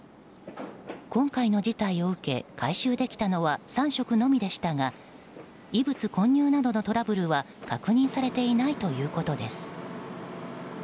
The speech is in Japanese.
今回の事態を受け回収できたのは３食のみでしたが異物混入などのトラブルは確認されていないということです。